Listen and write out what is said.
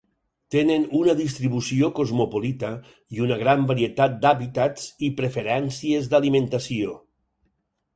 Tenen una distribució cosmopolita i una gran varietat d'hàbitats i preferències d'alimentació.